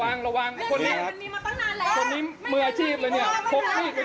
อ่ะทำไมเจ็บกูมานานอะ